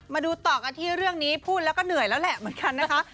มาดูต่อกันที่เรื่องนี้พูดแล้วก็เหนื่อยแล้วแหละเหมือนกันนะคะ